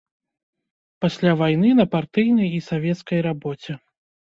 Пасля вайны на партыйнай і савецкай рабоце.